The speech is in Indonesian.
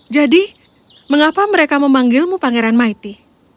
jadi mengapa mereka memanggilmu pangeran maity